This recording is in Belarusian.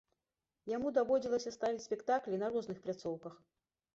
Яму даводзілася ставіць спектаклі на розных пляцоўках.